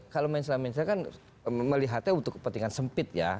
kalau mensela mensela kan melihatnya untuk kepentingan sempit ya